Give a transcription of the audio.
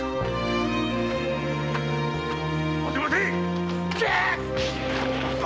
・待て待てっ！